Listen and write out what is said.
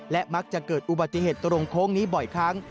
และมักจะเกิดอุบัติเหตุตรงโค้งนี้บ่อยครั้ง